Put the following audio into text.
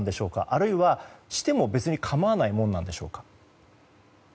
あるいは、そうしても別に構わないものなんでしょうか。